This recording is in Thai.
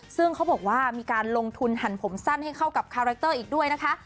ซึ่งเขาบอกว่ามีการลงทุนหันผมสั้นให้เข้ากับคาแรคเตอร์อีกด้วยนะคะ